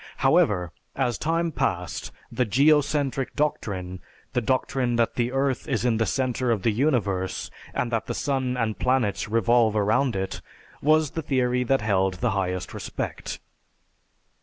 However, as time passed, the geocentric doctrine, the doctrine that the earth is the center of the universe and that the sun and planets revolve about it, was the theory that held the highest respect.